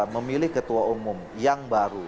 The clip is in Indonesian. memilih ketua umum yang baru